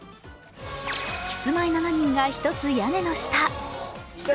キスマイ７人が一つ屋根の下。